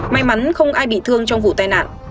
may mắn không ai bị thương trong vụ tai nạn